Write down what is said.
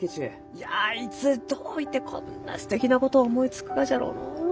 いやいつどういてこんなすてきなことを思いつくがじゃろうのう？